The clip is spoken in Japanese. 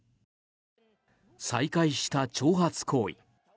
再開した挑発行為。